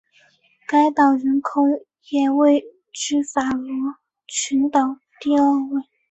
该岛人口也位居法罗群岛第二位。